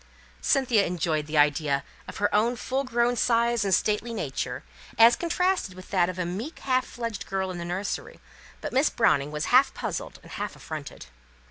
Cynthia enjoyed the idea of her own full grown size and stately gait, as contrasted with that of a meek, half fledged girl in the nursery; but Miss Browning was half puzzled and half affronted.